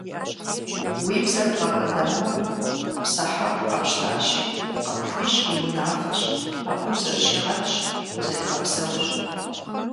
Уи бзэр бгъэкӀуэдамэ, псэ хьэху къэпщтащи, къыпхуищӀ уи унафэщ, абы узэрыщигъэтщ, узэригъэпсэущ.